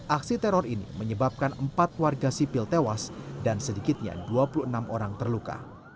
aksi teror ini menyebabkan empat warga sipil tewas dan sedikitnya dua puluh enam orang terluka